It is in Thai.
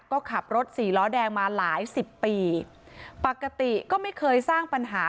ก็ขับรถสี่ล้อแดงมาหลายสิบปีปกติก็ไม่เคยสร้างปัญหา